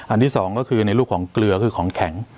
ที่สองก็คือในลูกของเกลือคือของแข็ง